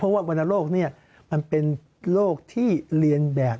เพราะว่าวรรณโรคนี้มันเป็นโรคที่เรียนแบบ